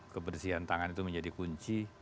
kebersihan tangan itu menjadi kunci